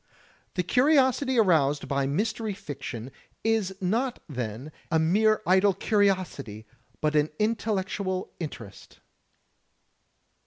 The curiosity aroused by Mystery Fiction is not then, a mere idle curiosity but an intellectual interest.